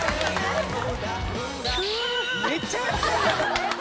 「めっちゃやってるじゃん！」